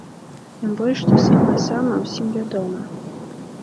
Тым больш, што самыя-самыя ўсім вядомы.